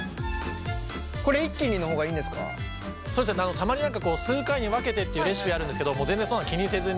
たまに数回に分けてっていうレシピあるんですけど全然そんなの気にせずに。